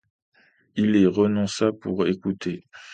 Il y renonça pour écouter.